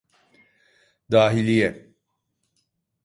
Dahiliye.